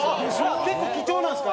結構貴重なんですか？